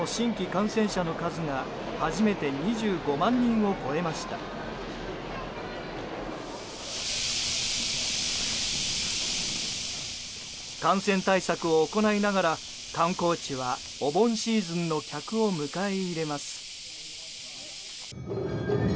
感染対策を行いながら観光地はお盆シーズンの客を迎え入れます。